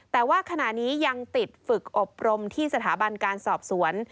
แต่ว่าขณะนี้ยังติดฝึกอบรมที่สถาบันการสอบสวน